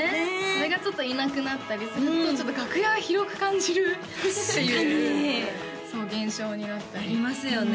それがちょっといなくなったりすると楽屋が広く感じるっていう現象になったりありますよね